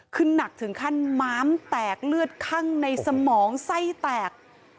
คือหนักถึงขั้นม้ามแตกเลือดคั่งในสมองไส้แตก